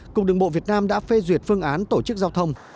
cục đường bộ việt nam đã phê duyệt phương án tổ chức giao thông